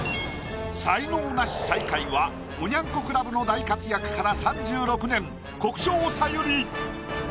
才能ナシ最下位は「おニャン子クラブ」の大活躍から３６年国生さゆり。